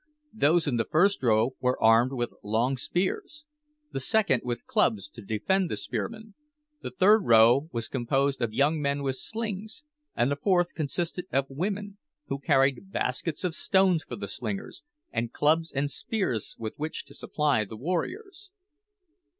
Those in the first row were armed with long spears; the second with clubs to defend the spearmen; the third row was composed of young men with slings; and the fourth consisted of women, who carried baskets of stones for the slingers, and clubs and spears with which to supply the warriors.